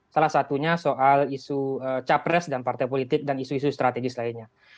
salah satunya soal isu capres dan partai politik dan isu isu strategis lainnya